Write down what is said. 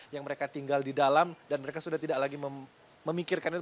yang mereka tinggal di dalam dan mereka sudah tidak lagi memikirkan itu